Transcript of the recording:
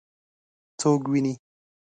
څوک وویني؟